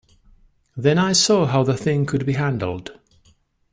Then I saw how the thing could be handled.